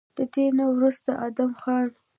د دې نه وروستو ادم خان